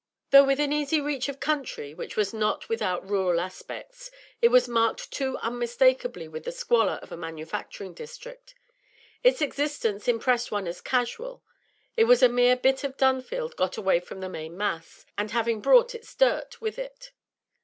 Though within easy reach of country which was not without rural aspects, it was marked too unmistakably with the squalor of a manufacturing district. Its existence impressed one as casual; it was a mere bit of Dunfield got away from the main mass, and having brought its dirt with it.